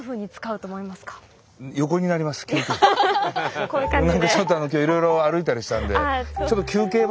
何かちょっと今日いろいろ歩いたりしたんで。